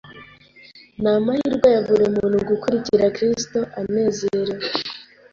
Ni amahirwe ya buri muntu gukurikira Kristo anezerewe,